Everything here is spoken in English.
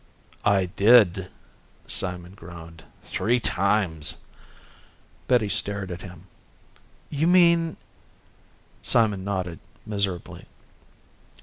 "I did," Simon groaned. "Three times." Betty stared at him. "You mean " Simon nodded, miserably.